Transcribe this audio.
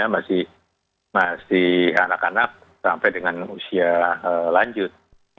masih anak anak sampai dengan usia lanjut